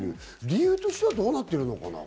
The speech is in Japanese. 理由としてはどうなってるのかな？